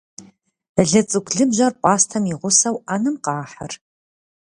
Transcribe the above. Лыцӏыкӏу лыбжьэр пӏастэм и гъусэу ӏэнэм къахьыр.